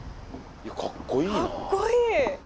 かっこいいな。